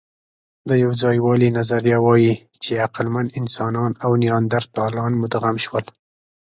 د یوځایوالي نظریه وايي، چې عقلمن انسانان او نیاندرتالان مدغم شول.